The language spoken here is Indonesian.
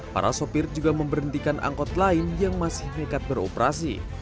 para sopir juga memberhentikan angkot lain yang masih nekat beroperasi